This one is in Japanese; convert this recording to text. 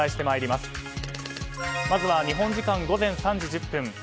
まずは日本時間午前３時１０分